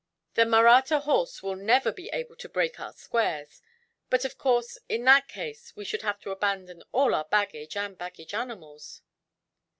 The Mahratta horse will never be able to break our squares; but of course, in that case we should have to abandon all our baggage and baggage animals."